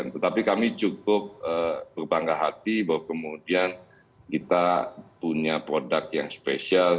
tetapi kami cukup berbangga hati bahwa kemudian kita punya produk yang spesial